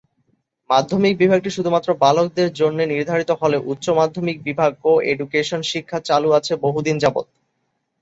মাধ্যমিক বিভাগটি শুধুমাত্র বালক দের জন্যে নির্ধারিত হলেও উচ্চ মাধ্যমিক বিভাগ কো-এডুকেশন শিক্ষা চালু আছে বহুদিন যাবৎ।